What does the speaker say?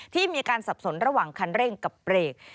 ที่มีการสับสนระหว่างคันเร่งกับเบรก